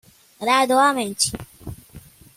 Gradualmente